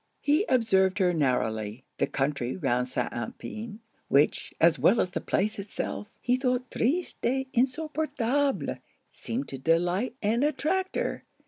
He observed her narrowly: the country round St. Alpin, which, as well as the place itself, he thought 'triste et insupportable,' seemed to delight and attract her.